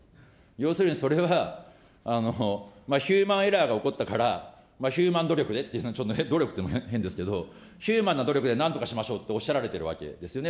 要するにそれは、ヒューマンエラーが起こったからヒューマン努力でって、ちょっとね、努力っていうのも変ですけど、ヒューマンの努力でなんとかしましょうっておっしゃられてるわけですよね。